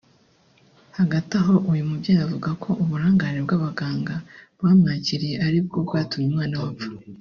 Hagati aho uyu mubyeyi avuga ko uburangare bw’abaganga bamwakiriye ari bwo bwatumye umwana we apfa